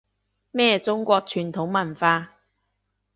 咩中國傳統文化